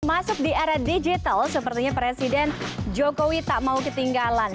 masuk di era digital sepertinya presiden jokowi tak mau ketinggalan